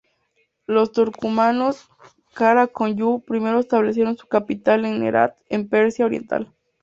Los turcomanos Kara Koyunlu primero establecieron su capital en Herat en Persia oriental.